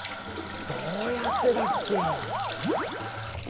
どうやってたっけ。